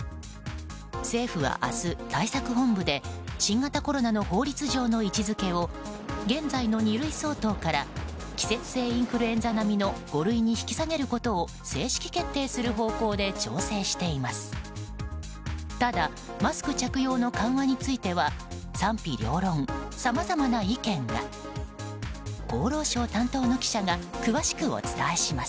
政府は明日、対策本部で新型コロナの法律上の位置づけを現在の二類相当から季節性インフルエンザ並みの五類に引き下げることを正式決定する方向で調整しています。